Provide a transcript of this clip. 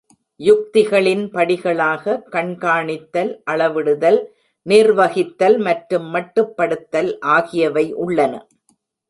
யுக்திகளின் படிகளாக, கண்காணித்தல், அளவிடுதல், நிர்வகித்தல் மற்றும் மட்டுப்படுத்துதல் ஆகியவை உள்ளன.